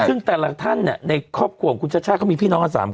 ซึ่งแต่ละท่านในครอบครัวของคุณชาติชาติเขามีพี่น้องกัน๓คน